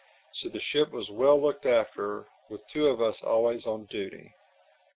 So the ship was well looked after, with two of us always on duty.